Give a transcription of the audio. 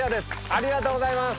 ありがとうございます